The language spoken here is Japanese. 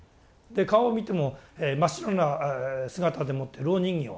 で顔を見ても真っ白な姿でもって蝋人形。